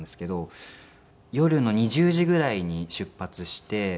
夜の２０時ぐらいに出発して。